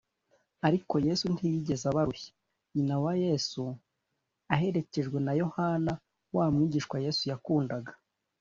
ariko yesu ntiyigeze abarushya nyina wa yesu, aherekejwe na yohana wa mwigishwa yesu yakundaga